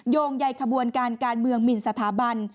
โยงใยขบวนการการเมืองหมินสถาบัน